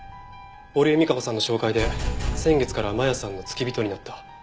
織江美香子さんの紹介で先月から真弥さんの付き人になった。